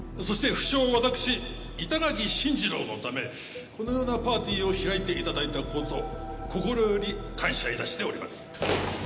そして不肖私板垣真二郎のためこのようなパーティーを開いていただいた事心より感謝いたしております。